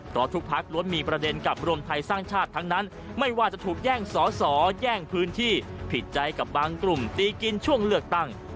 เพราะทุกพักล้วนมีประเด็นกับรวมไทยสร้างชาติทั้งนั้นไม่ว่าจะถูกแย่งสอสอแย่งพื้นที่ผิดใจกับบางกลุ่มตีกินช่วงเลือกตั้ง